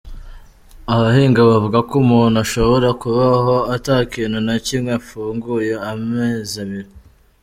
Abahinga bavuga ko umuntu ashobora kubaho ata kintu na kimwe afunguye amezi abiri.